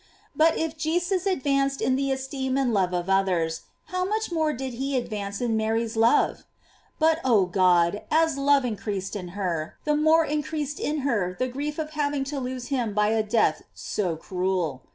But if Jesus ad vanced in the esteem and love of others, how much more did he advance in Mary's love! But oh God, as love increased in her, the more in creased in her the grief of having to lose him by a death so cruel.